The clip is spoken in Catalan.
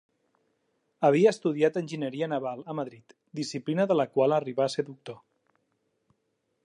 Havia estudiat enginyeria naval a Madrid, disciplina de la qual arribà a ser doctor.